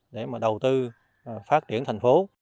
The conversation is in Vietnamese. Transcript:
để mà đầu tư phát triển thành phố